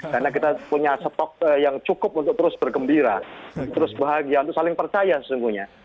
karena kita punya stok yang cukup untuk terus bergembira terus bahagia untuk saling percaya sesungguhnya